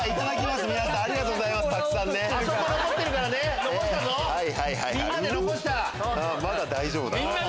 まだ大丈夫だな。